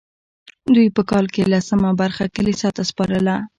دوی په کال کې لسمه برخه کلیسا ته سپارله.